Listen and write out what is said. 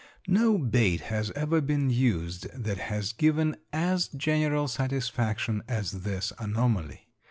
No bait has ever been used that has given as general satisfaction as this anomaly.